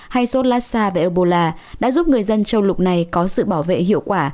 sars cov hai và ebola đã giúp người dân châu lục này có sự bảo vệ hiệu quả